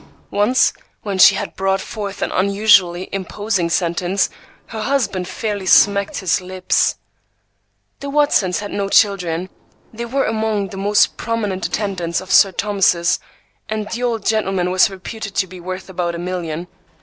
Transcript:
Once, when she had brought forth an unusually imposing sentence, her husband fairly smacked his lips. The Watsons had no children. They were among the most prominent attendants of St. Thomas's, and the old gentleman was reputed to be worth about a million.